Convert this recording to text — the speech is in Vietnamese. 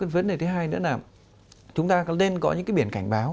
vấn đề thứ hai nữa là chúng ta nên có những biển cảnh báo